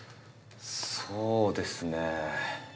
そうですね。